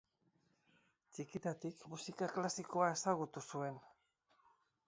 Txikitatik musika klasikoa ezagutu zuen.